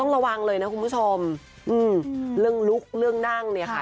ระวังเลยนะคุณผู้ชมอืมเรื่องลุกเรื่องนั่งเนี่ยค่ะ